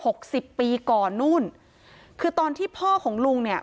สิบปีก่อนนู่นคือตอนที่พ่อของลุงเนี่ย